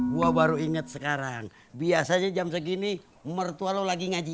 gue baru ingat sekarang biasanya jam segini mertua lo lagi ngaji